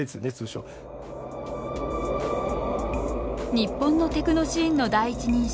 日本のテクノシーンの第一人者